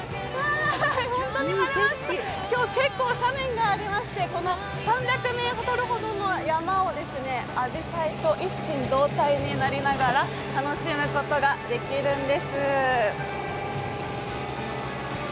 結構、斜面がありまして、３００ｍほどの山をあじさいと一心同体になりながら楽しむことができるんです。